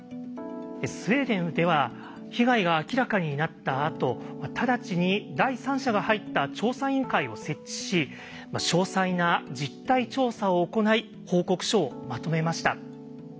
スウェーデンでは被害が明らかになったあと直ちに第三者が入った調査委員会を設置し詳細な実態調査を行い報告書をまとめました。